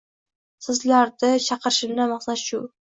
Sizlardi chaqirishimdan maqsad shu